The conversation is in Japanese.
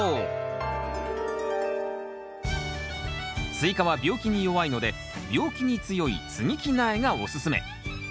スイカは病気に弱いので病気に強い接ぎ木苗がおすすめ。